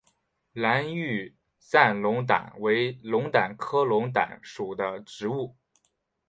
蓝玉簪龙胆为龙胆科龙胆属的植物。